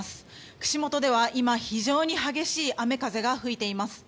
串本では今、非常に激しい雨風が吹いています。